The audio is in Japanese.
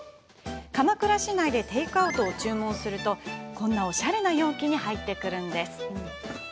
鎌倉市内でテイクアウトを注文するとこんな、おしゃれな容器に入ってくるんです。